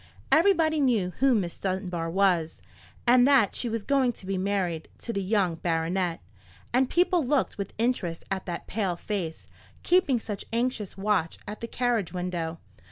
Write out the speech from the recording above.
Everybody knew who Miss Dunbar was, and that she was going to be married to the young baronet; and people looked with interest at that pale face, keeping such anxious watch at the carriage window.